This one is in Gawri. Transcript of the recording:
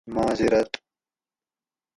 معذرت